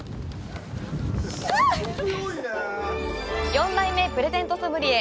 ４代目プレゼントソムリエ